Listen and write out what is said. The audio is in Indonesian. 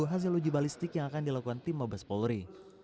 hasil uji balistik yang akan dilakukan tim mabes polri